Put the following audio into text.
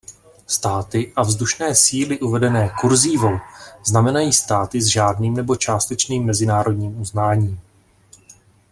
Státy a vzdušné síly uvedené "kurzívou" znamenají státy s žádným nebo částečným mezinárodním uznáním.